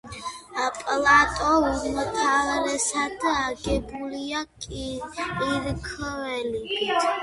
პლატო უმთავრესად აგებულია კირქვებით.